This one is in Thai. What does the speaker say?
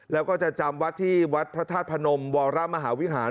แล้วก็จะจำวัดที่วัดพระธาตุพนมวรมหาวิหาร